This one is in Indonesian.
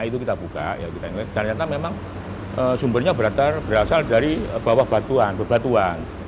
ternyata memang sumbernya berasal dari bawah batuan